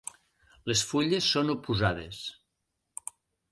Les fulles són oposades.